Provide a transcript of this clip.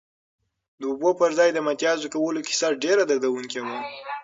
د اوبو پر ځای د متیازو کولو کیسه ډېره دردونکې وه.